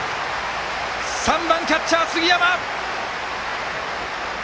３番キャッチャー、杉山！